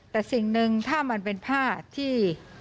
แต่สิ่งหนึ่งถ้ามันเป็นผ้าที่